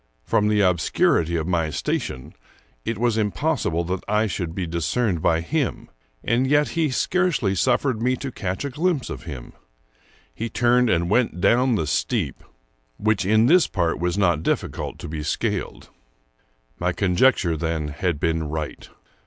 From the obscurity of my station, it was impossible that I should be discerned by him; and yet he scarcely suffered me to catch a glimpse of him. He turned and went down the steep, which in this part was not difficult to be scaled. My conjecture, then, had been right.